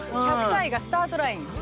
１００歳がスタートライン。